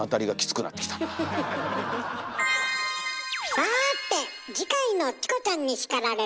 さて次回の「チコちゃんに叱られる！」